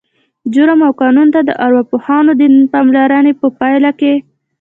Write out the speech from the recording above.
جرم او قانون ته د ارواپوهانو د پاملرنې په پایله کې